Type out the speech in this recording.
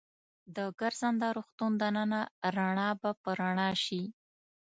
د ګرځنده روغتون دننه رڼا به په رڼا شي.